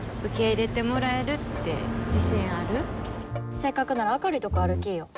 せっかくなら明るいとこ歩きーよ。